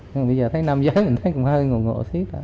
nhưng bây giờ thấy nam giới mình thấy cũng hơi ngộ ngộ thiết